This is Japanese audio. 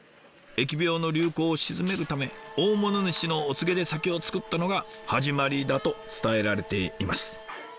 疫病の流行を鎮めるため大物主のお告げで酒を造ったのが始まりだと伝えられています。